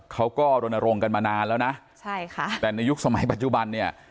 เขาก็รณรงค์กันมานานแล้วนะใช่ค่ะแต่ในยุคสมัยปัจจุบันเนี่ย